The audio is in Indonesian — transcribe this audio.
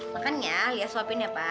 makan ya lihat sopin ya pak